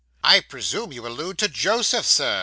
'I presume you allude to Joseph, Sir?